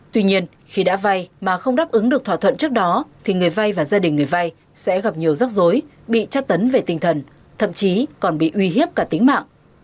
tuy nhiên khi đã vay mà không đáp ứng được thỏa thuận trước đó thì người vay và gia đình người vay sẽ gặp nhiều rắc rối bị chắc tấn về tinh thần thậm chí còn bị uy hiếp cả tính mạng